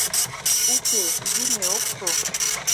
— Уке, йӱмӧ ок шу.